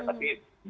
tapi bisa kecuali ya